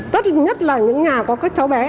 tất nhất là những nhà có các cháu bé